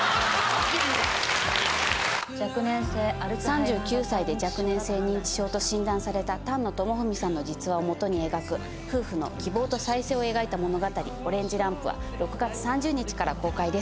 ３９歳で若年性認知症と診断された丹野智文さんの実話をもとに描く夫婦の希望と再生を描いた物語『オレンジ・ランプ』は６月３０日から公開です。